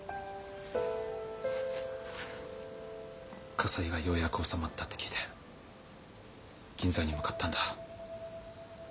火災がようやく収まったって聞いて銀座に向かったんだ。